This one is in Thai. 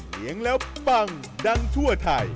เสียงแล้วปังดังทั่วไทย